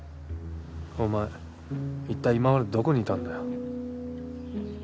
お前一体今までどこにいたんだよ？